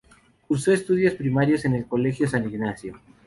Cursó estudios primarios en el colegio San Ignacio.